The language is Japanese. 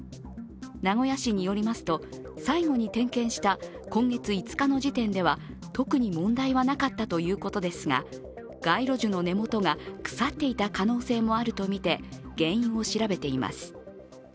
名古屋市によりますと最後に点検した今月５日の時点では特に問題はなかったということですが、街路樹の根元が腐っていた可能性もあるとみて原因を調べています。